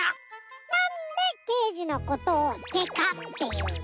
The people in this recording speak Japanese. なんで「けいじ」のことを「デカ」っていうの？